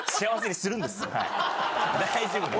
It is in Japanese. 大丈夫です。